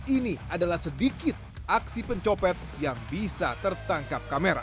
ini adalah sedikit aksi pencopet yang bisa tertangkap kamera